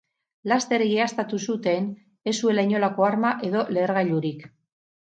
Laster egiaztatu zuten ez zuela inolako arma edo lehergailurik.